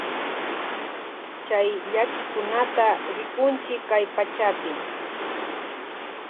Chay llakikunata rikunchi kay pachapi.